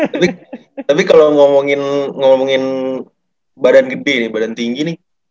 tapi kalau ngomongin badan gede nih badan tinggi nih